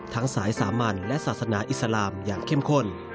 สายสามัญและศาสนาอิสลามอย่างเข้มข้น